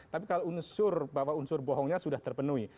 tapi kalau unsur bahwa unsur bohongnya sudah terpenuhi